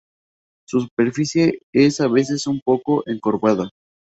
Su superficie es a veces un poco encorvada.